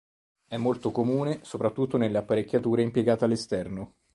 È molto comune soprattutto nelle apparecchiature impiegate all'esterno.